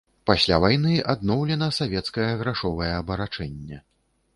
Пасля вайны адноўлена савецкае грашовае абарачэнне.